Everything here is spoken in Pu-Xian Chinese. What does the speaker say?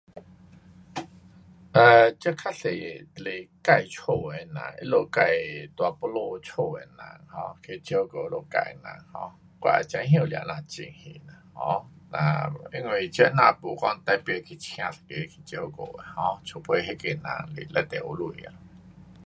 这多数是自己家的人他自己 [unintelligible] 家的人照顾自己人我知道这种情形，因为没有特别请一个人看照顾去除非那个人非常有钱。